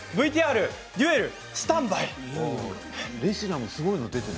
ＶＴＲデュエルスタンバイ！